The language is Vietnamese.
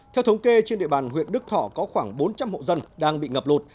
theo thống kê trên địa bàn huyện đức thọ có khoảng bốn trăm linh hộ dân đang bị ngập lụt